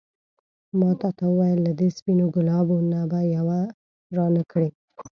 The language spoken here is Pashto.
ما تا ته وویل له دې سپينو ګلابو نه به یو رانه کړې.